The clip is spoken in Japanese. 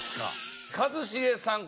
一茂さん